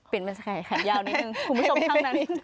เปลี่ยนมันแขนแยวนิดนึงคุณผู้ชมข้างหน้านี้